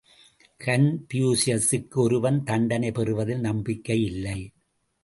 கன்பூசியசுக்கு ஒருவன் தண்டனை பெறுவதில் நம்பிக்கை இல்லை.